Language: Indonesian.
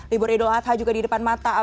libur idul adha juga di depan mata